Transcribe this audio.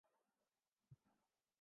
house effect کو نبات خانہ کا اثر